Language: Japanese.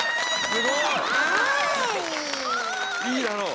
すごい。いいだろう。